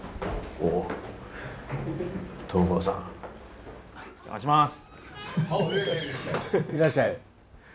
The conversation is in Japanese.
おっいらっしゃい。